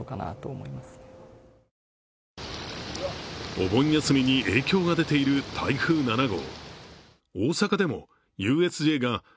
お盆休みに影響が出ている台風７号。